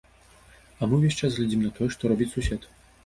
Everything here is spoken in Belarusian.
А мы ўвесь час глядзім на тое, што робіць сусед.